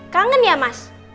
kangen ya mas